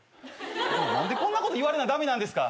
何でこんなこと言われな駄目なんですか？